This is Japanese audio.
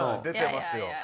出てますよ。